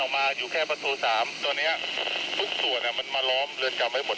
ตอนนี้มีผู้ว่ารัฐกาลจังหวัดนะมาอยู่ในที่เกิดเหตุ